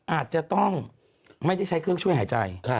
อาจจะต้องไม่ได้ใช้เครื่องช่วยหายใจ